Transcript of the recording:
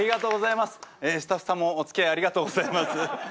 ええスタッフさんもおつきあいありがとうございます。